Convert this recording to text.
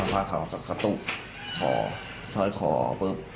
พาเขาสักข้าตุกคอซ้อยคอปุ๊บ